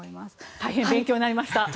大変勉強になりました。